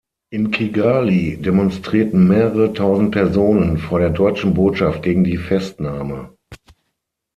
In Kigali demonstrierten mehrere tausend Personen vor der deutschen Botschaft gegen die Festnahme.